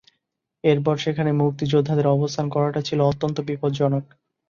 এরপর সেখানে মুক্তিযোদ্ধাদের অবস্থান করাটা ছিল অত্যন্ত বিপজ্জনক।